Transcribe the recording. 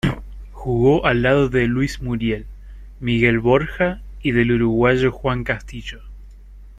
Jugó al lado Luis Muriel, Miguel Borja y del uruguayo Juan Castillo.